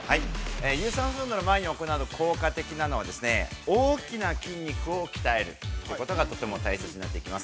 ◆有酸素運動の前に行うと効果的なのは、大きな筋肉を鍛えるということが、とても大切になってきます。